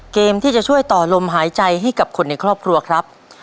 เกมที่จะช่วยต่อลมหายใจให้กับคนในครอบครัวครับ